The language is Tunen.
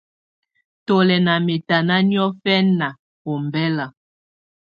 Tù lɛ̀ ná mɛtana niɔ̀fɛna ɔmbɛla.